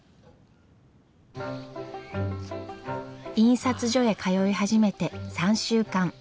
印刷所へ通い始めて３週間。